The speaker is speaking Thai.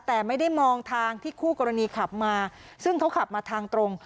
แต่ไม่ได้มองทางที่คู่กรณีขับมาซึ่งเขาขับมาทางตรง